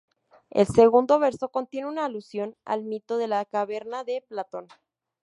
El segundo verso contiene una alusión al Mito de la caverna de Platón.